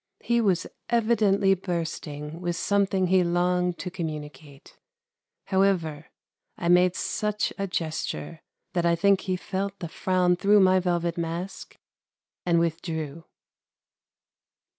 He was evidently bursting with something he longed to communicate. However, I made such a gesture, that I think he felt the frown through my velvet mask and withdrew.